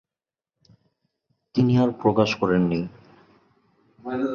তিনি আর প্রকাশ করেননি।